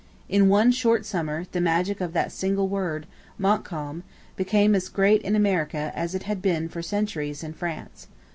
In one short summer the magic of that single word, Montcalm, became as great in America as it had been for centuries in France.